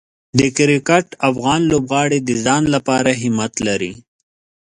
د کرکټ افغان لوبغاړي د ځان لپاره همت لري.